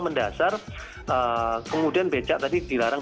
mendasar kemudian becak tadi dilarang